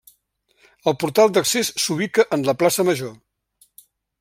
El portal d'accés s'ubica en la plaça Major.